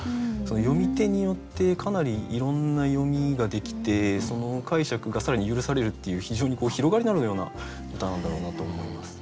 読み手によってかなりいろんな読みができてその解釈が更に許されるっていう非常に広がりのあるような歌なんだろうなと思います。